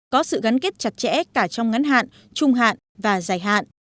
có sự gắn kết chặt chẽ cả trong ngắn hạn trung hạn và dài hạn